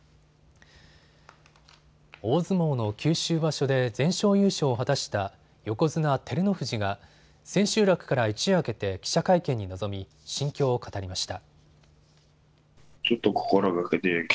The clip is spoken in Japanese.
大相撲の九州場所で全勝優勝を果たした横綱・照ノ富士が千秋楽から一夜明けて記者会見に臨み心境を語りました。